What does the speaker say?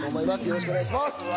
よろしくお願いします。